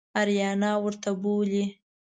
آریانا ورته بولي.